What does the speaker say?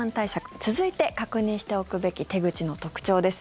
続いて確認しておくべき手口の特徴です。